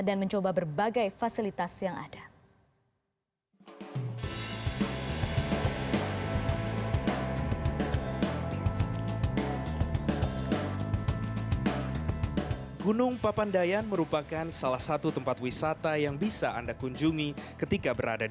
dan mencoba berbagai fasilitas yang ada